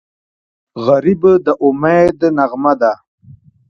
غریب د امید نغمه ده